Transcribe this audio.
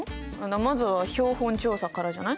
まずは標本調査からじゃない？